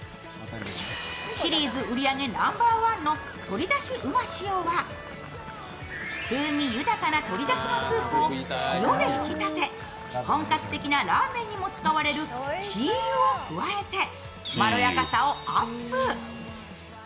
シリーズ売り上げナンバーワンの鶏だし・うま塩は風味豊かな鶏だしのスープを塩で調えて本格的なラーメンにも使われる鶏油を加えてまろやかさをアップ。